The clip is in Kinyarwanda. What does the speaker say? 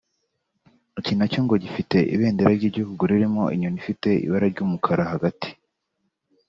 iki na cyo ngo gifite ibendera ry’igihugu ririmo inyoni ifite ibara ry’umukara hagati